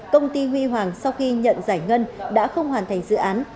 công ty huy hoàng sau khi nhận giải ngân đã không hoàn thành dự án